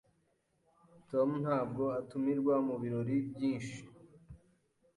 Tom ntabwo atumirwa mubirori byinshi.